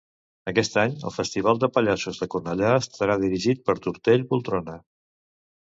Aquest any el Festival de Pallassos de Cornellà estarà dirigit per Tortell Poltrona.